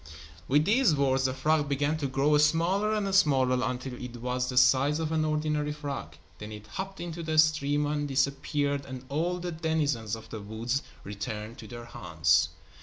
With these words, the frog began to grow smaller and smaller until it was the size of an ordinary frog. Then it hopped into a stream and disappeared and all the denizens of the woods returned to their haunts.